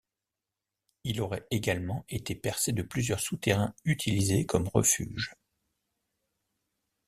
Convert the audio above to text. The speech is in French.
Il aurait également été percé de plusieurs souterrains utilisés comme refuges.